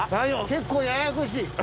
結構ややこしい。